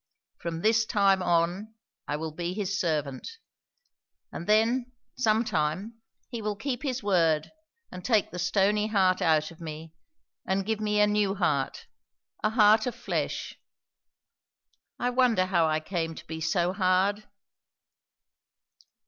From this time on, I will be his servant. And then, some time, he will keep his word and take the stony heart out of me, and give me a new heart; a heart of flesh, I wonder how I came to be so hard!